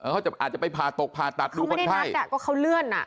เขาอาจจะไปผ่าตกผ่าตัดดูคนไทยเขาไม่ได้นัดอ่ะเขาเลื่อนอ่ะ